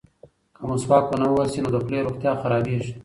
که مسواک ونه وهل شي نو د خولې روغتیا خرابیږي.